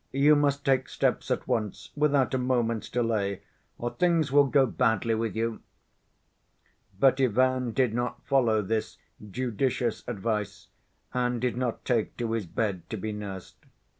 you must take steps at once, without a moment's delay, or things will go badly with you." But Ivan did not follow this judicious advice and did not take to his bed to be nursed.